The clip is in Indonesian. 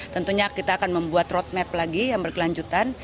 tentunya kita akan membuat roadmap lagi yang berkelanjutan